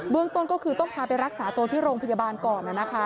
ต้นก็คือต้องพาไปรักษาตัวที่โรงพยาบาลก่อน